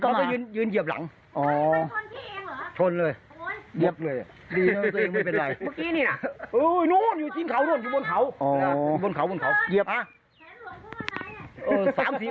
เหยียบแรงไหมพี่